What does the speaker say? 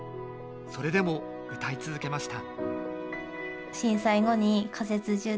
それでもうたい続けました